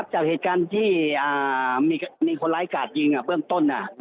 จากเหตุการณ์ที่มีคนร้ายกาดยิงเบื้องต้น